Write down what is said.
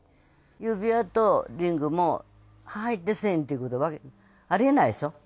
指輪とリングも入って１０００円ということ、ありえないでしょ。